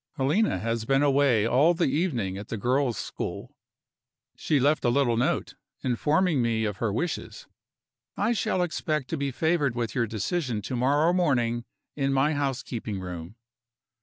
Helena has been away all the evening at the Girls' School. She left a little note, informing me of her wishes: "I shall expect to be favored with your decision to morrow morning, in my housekeeping room."